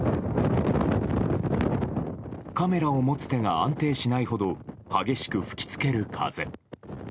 カメラを持つ手が安定しないほど激しく吹き付ける風。